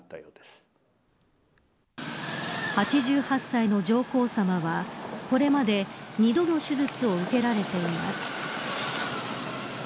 ８８歳の上皇さまはこれまで２度の手術を受けられています。